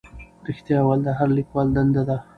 رښتیا ویل د هر لیکوال دنده ده.